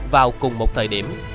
vào cùng một thời điểm